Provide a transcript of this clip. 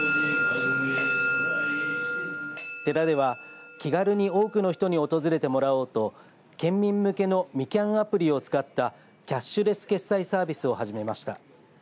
寺では気軽に多くの人に訪れてもらおうと県民向けのみきゃんアプリを使ったキャッシュレス決済サービスを始めました。